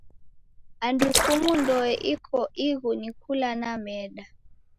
Andu kumu ndoe iko ighu ni kula na meda.